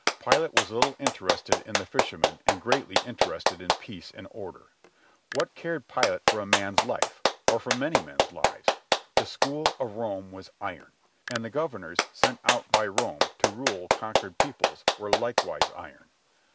Pilate was little interested in the fisherman and greatly interested in peace and order. What cared Pilate for a man's life?—for many men's lives? The school of Rome was iron, and the governors sent out by Rome to rule conquered peoples were likewise iron.